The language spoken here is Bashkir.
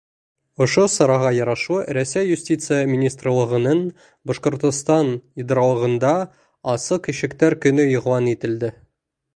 Ошо сараға ярашлы, Рәсәй Юстиция министрлығының Башҡортостан идаралығында Асыҡ ишектәр көнө иғлан ителде.